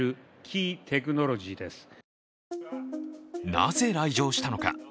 なぜ来場したのか。